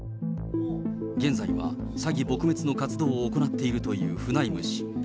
現在は詐欺撲滅の活動を行っているというフナイム氏。